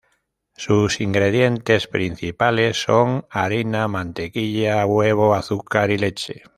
Sus ingredientes principales son: harina, mantequilla, huevo, azúcar y leche.